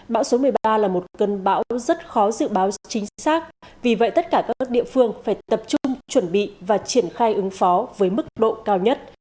bão số một mươi ba là một cơn bão rất khó dự báo chính xác vì vậy tất cả các địa phương phải tập trung chuẩn bị và triển khai ứng phó với mức độ cao nhất